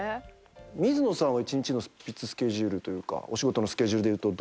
水野さんは一日の執筆スケジュールというかお仕事のスケジュールでいうとどんな感じですか？